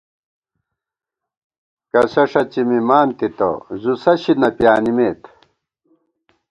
کسہ ݭڅِی مِمان تِتہ، زُو سَسی نہ پیانِمېت